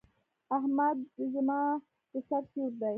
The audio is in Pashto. احمد زما د سر سيور دی.